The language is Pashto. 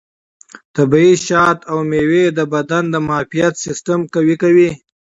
طبیعي شات او مېوې د بدن د معافیت سیستم قوي کوي.